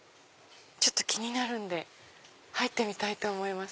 ちょっと気になるんで入ってみたいと思います。